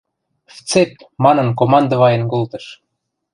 – В цепь! – манын командываен колтыш.